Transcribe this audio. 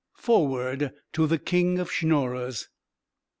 _Foreword to "The King of Schnorrers."